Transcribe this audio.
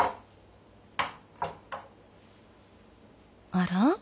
あら？